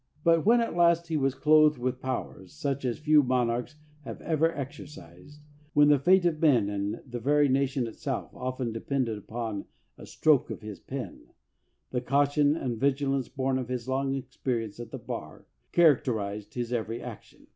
But when at last he was jclothed with powers 303 LINCOLN THE LAWYER such as few monarchs have ever exercised, when the fate of men and of the very nation itself often depended upon a stroke of his pen, the caution and vigilance born of his long experience at the bar characterized his every action.